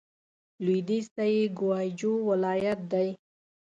لوېدیځ ته یې ګوای جو ولايت دی.